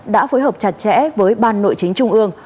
đã phối hợp chặt chẽ với ban nội chính trung ương